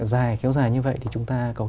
dài kéo dài như vậy thì chúng ta có